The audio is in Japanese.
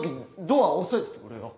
ドア押さえててくれよ。